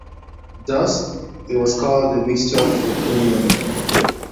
Thus, it was called the "Mixtur-Trautonium".